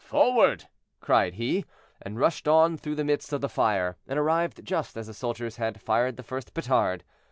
"Forward!" cried he, and rushed on through the midst of the fire, and arrived just as the soldiers had fired the first petard.